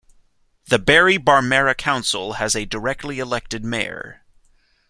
The Berri Barmera Council has a directly-elected mayor.